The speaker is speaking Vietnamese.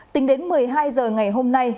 tính đến một mươi hai h ngày hôm nay